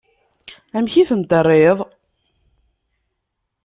Amek i ten-terriḍ?